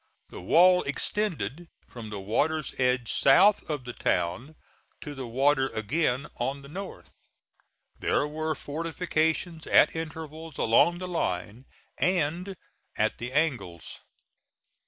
The wall extended from the water's edge south of the town to the water again on the north. There were fortifications at intervals along the line and at the angles.